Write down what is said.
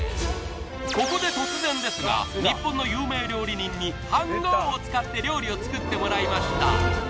ここで突然ですが日本の有名料理人に飯ごうを使って料理を作ってもらいました